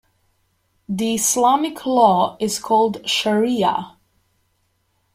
The Islamic law is called shariah.